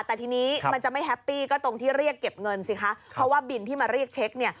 แต่ทีนี้มันจะไม่แฮปปี้ก็ตรงที่เรียกเก็บเงินสิคะเพราะว่าบินที่มาเรียกเช็คเนี่ย